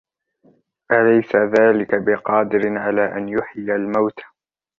أَلَيْسَ ذَلِكَ بِقَادِرٍ عَلَى أَنْ يُحْيِيَ الْمَوْتَى